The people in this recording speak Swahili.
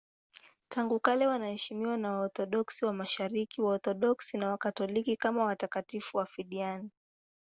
Tangu kale wanaheshimiwa na Waorthodoksi wa Mashariki, Waorthodoksi na Wakatoliki kama watakatifu wafiadini.